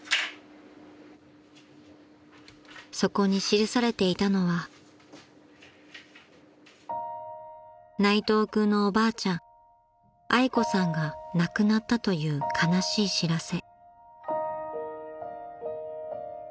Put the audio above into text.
［そこに記されていたのは内藤君のおばあちゃんあい子さんが亡くなったという悲しい知らせ］